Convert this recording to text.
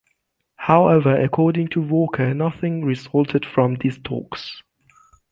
However, according to Walker, nothing resulted from these talks.